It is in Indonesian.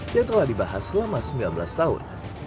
yang telah dibahas selama sembilan belas tahun